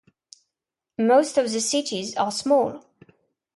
Most of the cities are small.